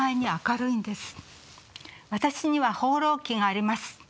「私には『放浪記』があります」。